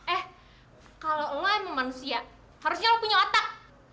eh kalau lu emang manusia harusnya lu punya otak